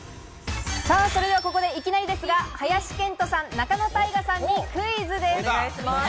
それでは、ここでいきなりですが、林遣都さん仲野太賀さんにクイズです。